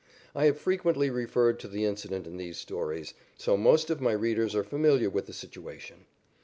I have frequently referred to the incident in these stories, so most of my readers are familiar with the situation.